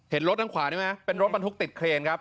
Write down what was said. รถด้านขวานี่ไหมเป็นรถบรรทุกติดเครนครับ